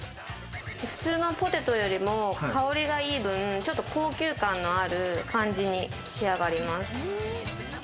普通のポテトよりも香りがいい分、ちょっと高級感のある感じに仕上がります。